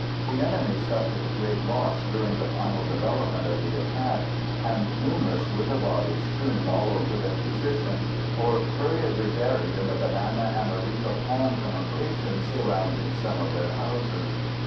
The enemy suffered great loss during the final development of the attack, and numerous were the bodies strewn all over their position, or hurriedly buried in the banana and areca palm plantations surrounding some of their houses.